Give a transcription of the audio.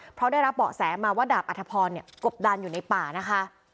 เพราะได้รับเบาะแสมาว่าดาบอัธพรกบดันอยู่ในป่านะคะ